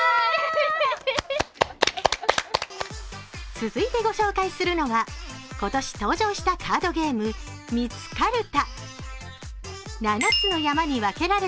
続いて御紹介するのは今年登場したカードゲーム、「ミツカルタ」。